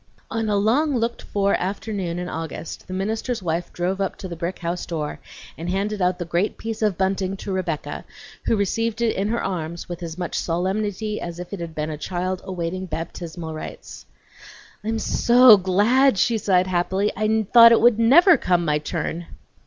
On a long looked for afternoon in August the minister's wife drove up to the brick house door, and handed out the great piece of bunting to Rebecca, who received it in her arms with as much solemnity as if it had been a child awaiting baptismal rites. "I'm so glad!" she sighed happily. "I thought it would never come my turn!"